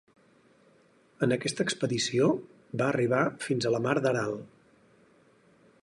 En aquesta expedició va arribar fins a la mar d'Aral.